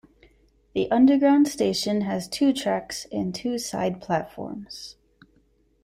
The underground station has two tracks and two side platforms.